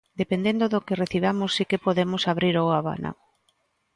Dependendo do que recibamos si que podemos abrir o abano.